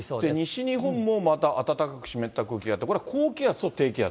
西日本も、また暖かく湿った空気があって、これは高気圧と低気圧。